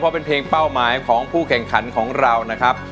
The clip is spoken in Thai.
เพราะเป็นเพลงเป้าหมายของผู้แข่งขันของเรานะครับ